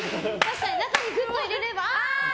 中にぐっと入れれば。